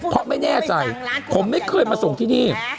เพราะไม่แน่ใจผมไม่เคยมาส่งที่นี่